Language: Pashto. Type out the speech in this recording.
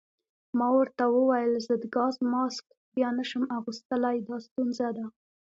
ما ورته وویل: ضد ګاز ماسک بیا نه شم اغوستلای، دا ستونزه ده.